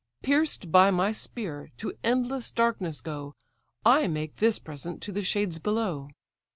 Pierced by my spear, to endless darkness go! I make this present to the shades below."